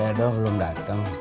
cuyah dong belum datang